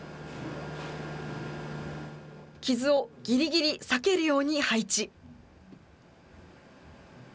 傷をぎりぎり避けるように配置。